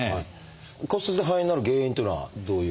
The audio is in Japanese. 骨折で肺炎になる原因っていうのはどういう。